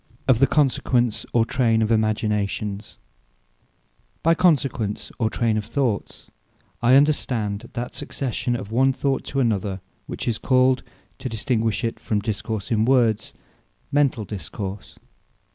OF THE CONSEQUENCE OR TRAYNE OF IMAGINATIONS By Consequence, or Trayne of Thoughts, I understand that succession of one Thought to another, which is called (to distinguish it from Discourse in words) Mentall Discourse.